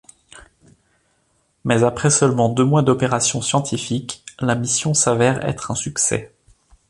Mais après seulement deux mois d'opérations scientifiques, la mission s'avère être un succès.